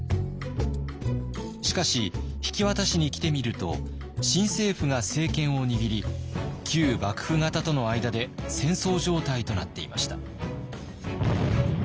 しかし引き渡しに来てみると新政府が政権を握り旧幕府方との間で戦争状態となっていました。